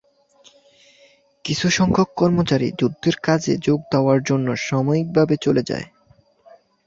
কিছু সংখ্যক কর্মচারী যুদ্ধের কাজে যোগ দেওয়ার জন্য সাময়িকভাবে চলে যায়।